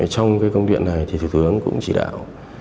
trong cái công điện này thì thủ tướng cũng chỉ đạo